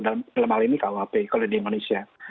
dan hal ini kuhp kalau di indonesia